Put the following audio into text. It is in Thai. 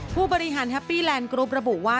ผู้บริหารแฮปปี้แลนดกรุ๊ประบุว่า